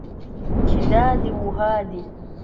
چې دا دي و ها دي.